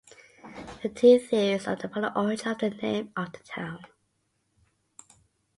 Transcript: There are two theories about the origin of the name of the town.